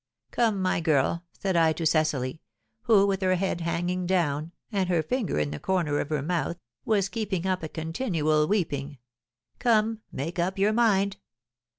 'Come, my girl,' said I to Cecily, who, with her head hanging down, and her finger in the corner of her mouth, was keeping up a continual weeping, 'come, make up your mind.